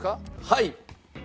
はい。